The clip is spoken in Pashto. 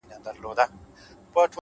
• و ماته عجيبه دي توري د ،